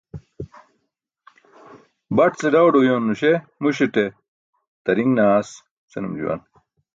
Baṭ ce đawdo uyooń nuśe muśaṭe "tariṅ naas" senum juwan.